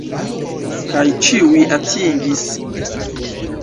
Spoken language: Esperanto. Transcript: Kaj ĉiuj atingis!